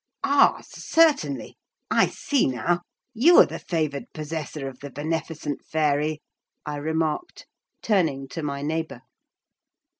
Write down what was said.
"Ah, certainly—I see now: you are the favoured possessor of the beneficent fairy," I remarked, turning to my neighbour.